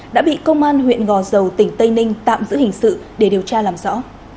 đã bị công an huyện gò dầu tỉnh tây ninh tạm giữ hình sự để điều tra làm rõ